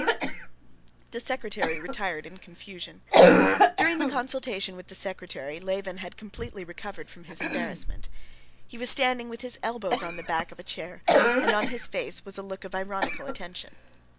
The secretary retired in confusion. During the consultation with the secretary Levin had completely recovered from his embarrassment. He was standing with his elbows on the back of a chair, and on his face was a look of ironical attention.